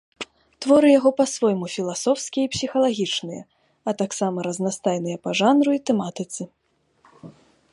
Творы яго па-свойму філасофскія і псіхалагічныя, а таксама разнастайныя па жанру і тэматыцы.